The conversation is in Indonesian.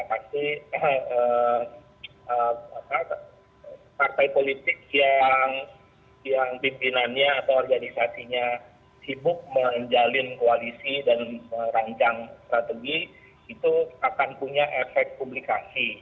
pasti partai politik yang pimpinannya atau organisasinya sibuk menjalin koalisi dan merancang strategi itu akan punya efek publikasi